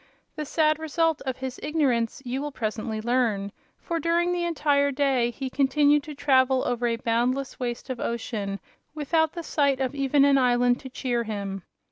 The sad result of his ignorance you will presently learn, for during the entire day he continued to travel over a boundless waste of ocean, without the sight of even an island to cheer him.